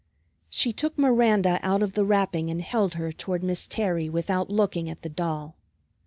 She took Miranda out of the wrapping and held her toward Miss Terry without looking at the doll.